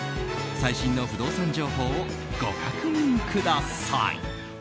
最新の不動産情報をご確認ください。